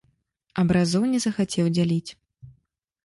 Абразоў не захацеў дзяліць.